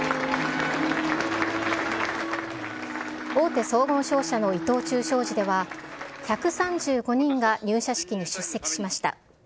大手総合商社の伊藤忠商事では、１３５人が入社式に出席しました。